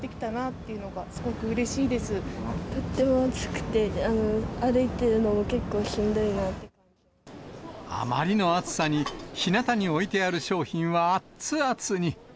とっても暑くて、歩いてるのあまりの暑さに、ひなたに置いてある商品はあっつあつに。